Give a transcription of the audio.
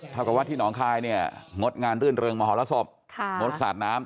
เท่ากับว่าที่หนองคายเนี่ยงดงานรื่นเริงมหรสบงดสาดน้ำ